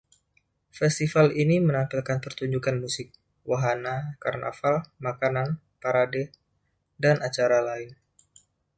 Festival ini menampilkan pertunjukan musik, wahana karnaval, makanan, parade, dan acara lain.